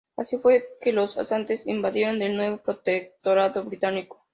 Así fue que los asante invadieron el nuevo protectorado británico.